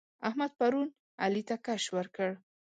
احمد پرون علي ته کش ورکړ.